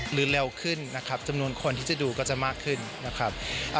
เร็วขึ้นนะครับจำนวนคนที่จะดูก็จะมากขึ้นนะครับ